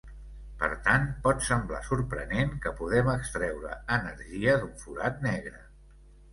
Per tant, pot semblar sorprenent que podem extreure energia d'un forat negre.